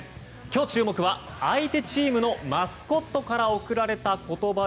今日、注目は相手チームのマスコットから送られた言葉。